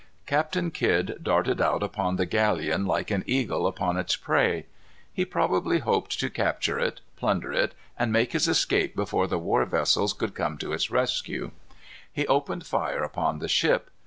Captain Kidd darted out upon the galleon like an eagle upon its prey. He probably hoped to capture it, plunder it, and make his escape before the war vessels could come to its rescue. He opened fire upon the ship.